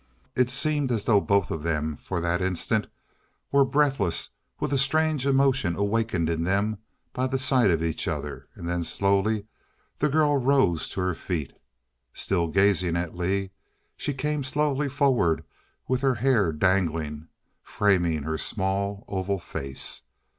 It seemed as though both of them, for that moment, were breathless with a strange emotion awakened in them by the sight of each other. And then slowly the girl rose to her feet. Still gazing at Lee, she came slowly forward with her hair dangling, framing her small oval face.